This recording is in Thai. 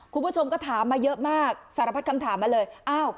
คุณผู้ชมก็ถามมาเยอะมากสารพัดคำถามมาเลยอ้าว